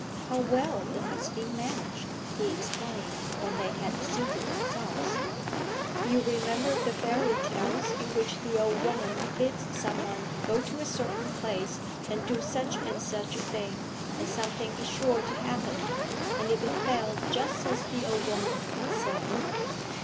'How well it has been managed,' he exclaimed when they had seated themselves. 'You remember the fairy tales in which the old woman bids some one go to a certain place and do such and such a thing and something is sure to happen? "And it befell just as the old woman had said."'